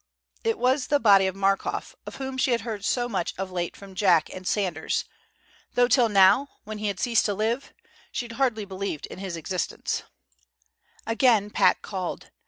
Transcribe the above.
It was the body of Markoff, of whom she had heard so much of late from Jack and Sanders, though till now when he had ceased to live she'd hardly believed in his existence. Again Pat called.